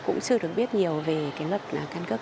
cũng chưa được biết nhiều về luật căn cước